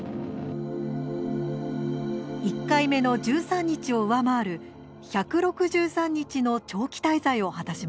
１回目の１３日を上回る１６３日の長期滞在を果たしました。